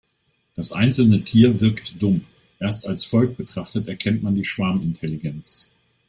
Das einzelne Tier wirkt dumm, erst als Volk betrachtet erkennt man die Schwarmintelligenz.